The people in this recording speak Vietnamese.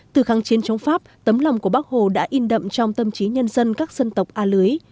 từ kháng chiến chống pháp tấm lòng của bác hồ đã in đậm trong tâm trí nhân dân các dân tộc a lưới